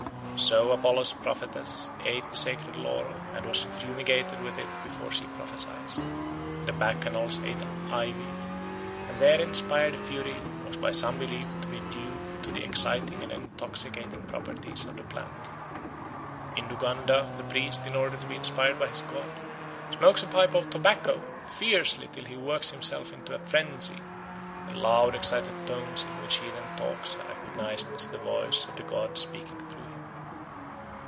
So Apollo's prophetess ate the sacred laurel and was fumigated with it before she prophesied. The Bacchanals ate ivy, and their inspired fury was by some believed to be due to the exciting and intoxicating properties of the plant. In Uganda the priest, in order to be inspired by his god, smokes a pipe of tobacco fiercely till he works himself into a frenzy; the loud excited tones in which he then talks are recognised as the voice of the god speaking through him.